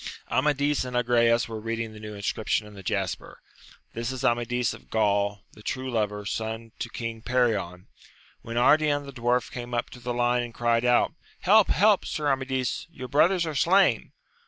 Amadis and Agrayes were reading the new inscrip tion in the jasper, This is Amadis of GranI, the true lover, son to King Perion, — ^when Ardian the dwarf came up to the line, and cried out, Help ! help, Sir Amadis, your brothers are slain